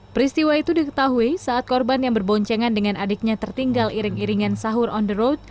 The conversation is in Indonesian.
peristiwa itu diketahui saat korban yang berboncengan dengan adiknya tertinggal iring iringan sahur on the road